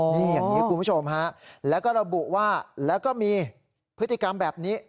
นี่อย่างนี้คุณผู้ชมฮะแล้วก็ระบุว่าแล้วก็มีพฤติกรรมแบบนี้